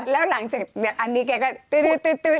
แล้วหลังจากอันนี้แกก็ตื้อ